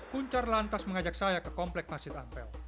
kuncar lantas mengajak saya ke komplek masjid ampel